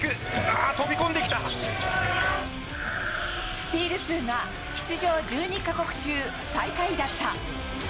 スチール数が出場１２か国中最下位だった。